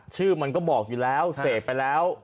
ชื่อมันก็บอกอยู่แล้วเสพไปแล้ว